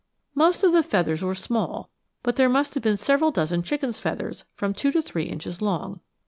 Most of the feathers were small, but there must have been several dozen chicken's feathers from two to three inches long.